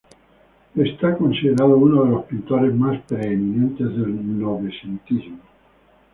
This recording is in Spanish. Está considerado uno de los pintores más preeminentes del novecentismo.